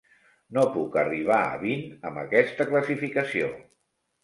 No puc arribar a vint amb aquesta classificació.